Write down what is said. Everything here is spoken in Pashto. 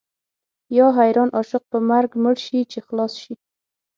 یا حیران عاشق په مرګ مړ شي چې خلاص شي.